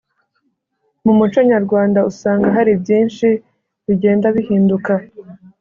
mu muco nyarwanda usanga hari byinshi bigenda bihinduka